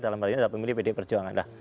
dalam hal ini adalah pemilih pdi perjuangan